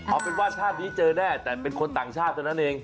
เอาเป็นว่าชาตินี้เจอแน่แต่เป็นคนต่างชาติเท่านั้นเอง